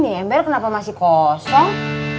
nih nembel kenapa masih kosong